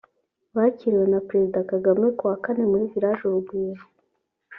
bakiriwe na Perezida Kagame kuwa Kane muri Village Urugwiro